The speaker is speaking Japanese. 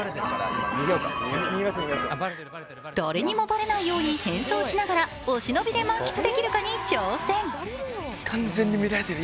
誰にもばれないように変装しながらお忍びで満喫できるかに挑戦。